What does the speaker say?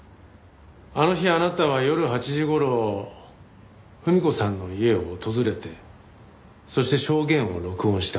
あの日あなたは夜８時頃文子さんの家を訪れてそして証言を録音した。